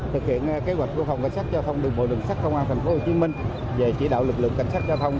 thực hiện kế hoạch của phòng cảnh sát giao thông đường bộ đường sát công an tp hcm về chỉ đạo lực lượng cảnh sát giao thông